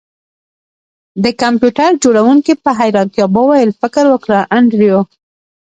د کمپیوټر جوړونکي په حیرانتیا وویل فکر وکړه انډریو